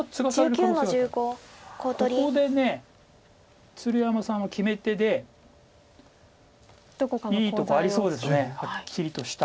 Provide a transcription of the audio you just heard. ここで鶴山さんは決め手でいいとこありそうですはっきりとした。